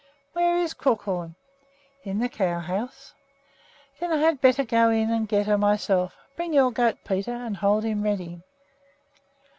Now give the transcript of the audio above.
"Where is Crookhorn?" "In the cow house." "Then I had better go in and get her myself. Bring your goat, Peter, and hold him ready."